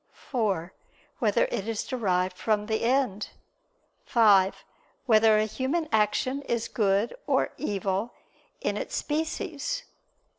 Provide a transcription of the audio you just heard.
(4) Whether it is derived from the end? (5) Whether a human action is good or evil in its species?